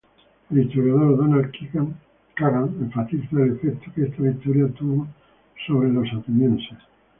El historiador Donald Kagan enfatiza el efecto que esta victoria tuvo sobre los atenienses.